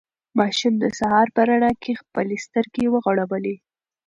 ماشوم د سهار په رڼا کې خپلې سترګې وغړولې.